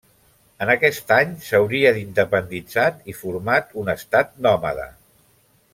En aquest any s'hauria independitzat i format un estat nòmada.